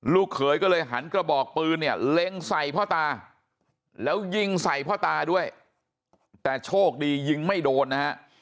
เขยก็เลยหันกระบอกปืนเนี่ยเล็งใส่พ่อตาแล้วยิงใส่พ่อตาด้วยแต่โชคดียิงไม่โดนนะฮะ